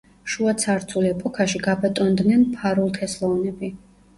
შუა ცარცულ ეპოქაში გაბატონდნენ ფარულთესლოვნები.